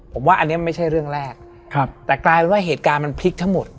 ผมว่าอันนี้ไม่ใช่เรื่องแรกครับแต่กลายเป็นว่าเหตุการณ์มันพลิกทั้งหมด